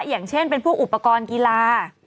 อย่างเช่นเป็นพวกอุปกรณ์กีฬา